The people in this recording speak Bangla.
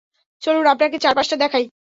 চলুন আপনাকে চারপাশটা দেখাই।